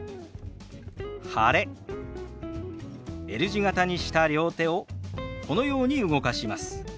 Ｌ字形にした両手をこのように動かします。